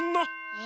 え？